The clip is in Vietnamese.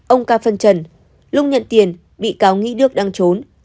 ông ca phân trần lúc nhận tiền bị cáo nghĩ đức đang trốn